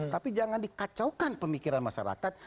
tapi jangan dikacaukan pemikiran masyarakat